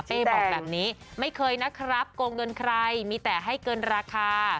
บอกแบบนี้ไม่เคยนะครับโกงเงินใครมีแต่ให้เกินราคา